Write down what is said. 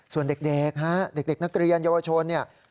ส่วนเด็กฮะเด็กนักเรียนเยาวชนเนี่ย